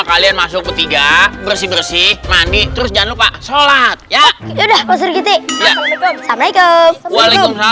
kalian masuk ketiga bersih bersih mandi terus jangan lupa sholat ya udah maksudnya gitu ya